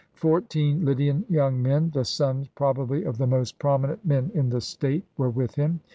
Fourteen Lydian young men, the sons, probably, of the most prominent men in the state, were with him.